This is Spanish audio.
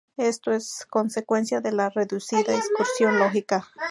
Esto es consecuencia de la reducida excursión lógica.